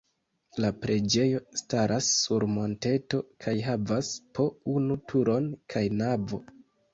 La preĝejo staras sur monteto kaj havas po unu turon kaj navo.